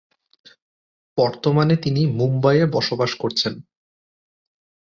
বর্তমানে তিনি মুম্বাইয়ে বসবাস করছেন।